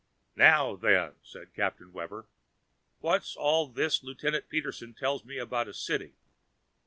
"Now then," said Captain Webber, "what's all this Lieutenant Peterson tells me about a city?